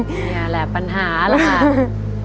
นี่แหละปัญหารึเปล่า